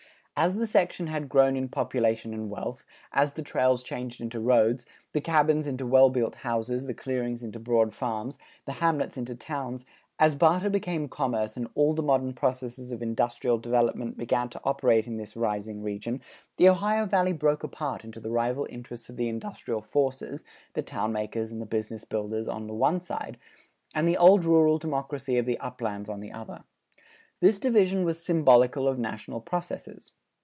As the section had grown in population and wealth, as the trails changed into roads, the cabins into well built houses, the clearings into broad farms, the hamlets into towns; as barter became commerce and all the modern processes of industrial development began to operate in this rising region, the Ohio Valley broke apart into the rival interests of the industrial forces (the town makers and the business builders), on the one side and the old rural democracy of the uplands on the other. This division was symbolical of national processes.